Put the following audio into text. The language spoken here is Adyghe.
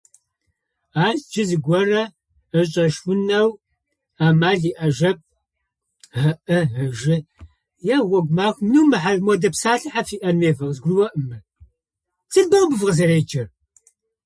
Ащ джы зыгорэ ышӏэшъунэу амал иӏэжьэп, ыӏи, ыжи пхыгъэ.